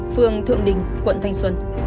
phường thượng đình quận thanh xuân